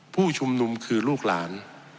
ผู้ชุมนุมคือลูกหลาน